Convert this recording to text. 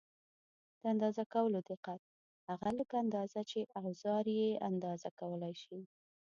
د اندازه کولو دقت: هغه لږه اندازه چې اوزار یې اندازه کولای شي.